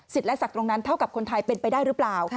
และศักดิ์ตรงนั้นเท่ากับคนไทยเป็นไปได้หรือเปล่า